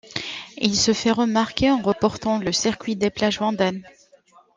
Il se fait remarquer en remportant le Circuit des plages vendéennes.